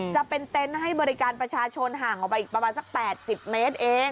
จะเป็นเต็นต์ให้บริการประชาชนห่างออกไปอีกประมาณสัก๘๐เมตรเอง